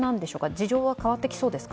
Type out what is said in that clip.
事情は変わってきそうですか？